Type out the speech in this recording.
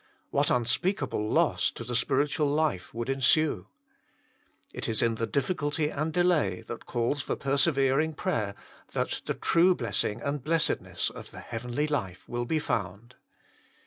What unspeakable loss to the spiritual life would ensue. It is in the difficulty and delay that calls for persevering prayer, that the true blessing and blessedness of the heavenly life will be found.